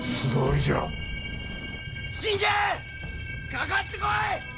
かかってこい！